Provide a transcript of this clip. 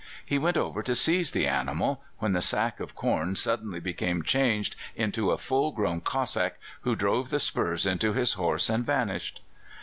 He went over to seize the animal, when the sack of corn suddenly became changed into a full grown Cossack, who drove the spurs into his horse and vanished!